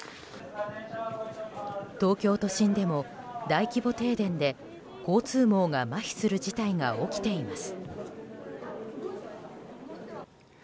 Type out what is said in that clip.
東京都心でも大規模停電で交通網がまひする事態が起きています。